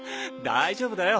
大丈夫だよ。